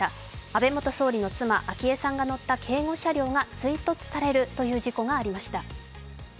安倍元総理の妻昭恵さんが乗った警護車両が、追突されるという事故がありました。